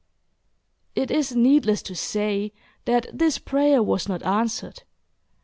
It is needless to say that this prayer was not answered.